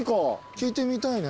聞いてみたいね。